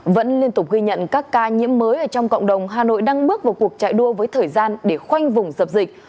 vẫn liên tục ghi nhận các ca nhiễm mới ở trong cộng đồng hà nội đang bước vào cuộc chạy đua với thời gian để khoanh vùng dập dịch